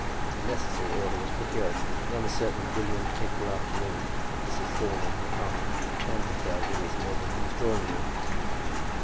The necessary order was procured, and on a certain brilliant April afternoon Mrs. Thorne and her party found themselves in this nobleman's drawing room.